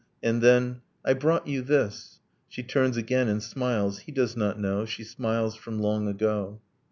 . and then, 'I brought you this ...' She turns again, and smiles ... He does not know She smiles from long ago